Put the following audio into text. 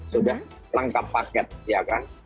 sudah lengkap paket ya kan